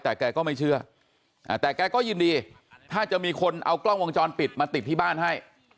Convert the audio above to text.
แต่แกก็ไม่เชื่อแต่แกก็ยินดีถ้าจะมีคนเอากล้องวงจรปิดมาติดที่บ้านให้